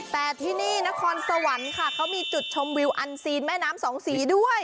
แต่ที่นี่นครสวรรค์ค่ะเขามีจุดชมวิวอันซีนแม่น้ำสองสีด้วย